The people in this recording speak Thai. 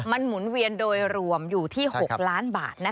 มันหมุนเวียนโดยรวมอยู่ที่๖ล้านบาท